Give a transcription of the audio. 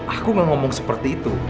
aku gak ngomong seperti itu